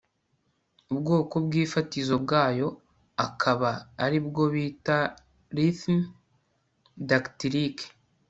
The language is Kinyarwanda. ubwoko bw'ifatizo bwayo akaba ari ubwo bita rythme dactylique